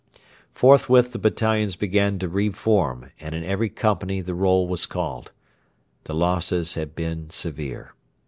Forthwith the battalions began to re form, and in every company the roll was called. The losses had been severe.